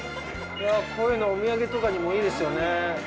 こういうの、お土産とかにもいいですよね。